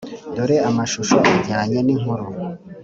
dore amashusho ajyanye n’inkuru